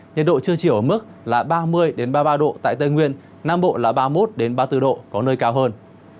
nhiệt độ trưa chiều ở mức là ba mươi ba mươi ba độ tại tây nguyên nam bộ là ba mươi một ba mươi bốn độ có nơi cao hơn